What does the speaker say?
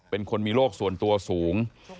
เป็นคนมีโรคส่วนตัวสูง